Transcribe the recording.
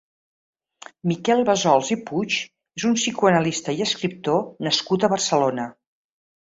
Miquel Bassols i Puig és un psicoanalista i escriptor nascut a Barcelona.